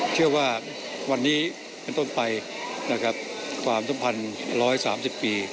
เชื่อว่าวันนี้เป็นต้นไปนะครับความสัมพันธ์๑๓๐ปี